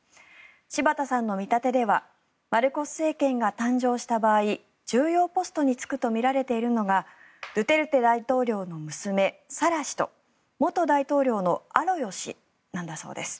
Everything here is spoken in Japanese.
柴田さんの見立てではマルコス政権が誕生した場合重要ポストに就くとみられているのがドゥテルテ大統領の娘サラ氏と、元大統領のアロヨ氏なんだそうです。